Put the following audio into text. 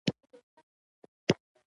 سهار مو پخیر ښاغلی هولمز هیله ده خفه نشئ